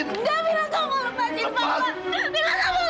enggak camilla kamu lepasin bapak